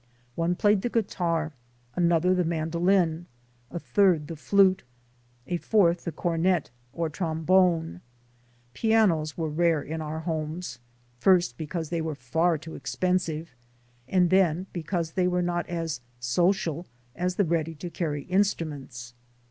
One played the guitar, another the man dolin, a third the flute, a fourth the cornet or trombone. Pianos were rare in our homes ; first, because they were far too expensive, and then be cause they were not as "social" as the ready to carry instruments.